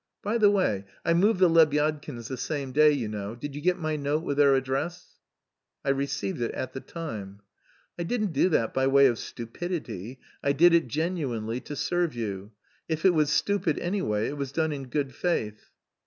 By the way, I moved the Lebyadkins the same day, you know; did you get my note with their address?" "I received it at the time." "I didn't do that by way of 'stupidity.' I did it genuinely, to serve you. If it was stupid, anyway, it was done in good faith."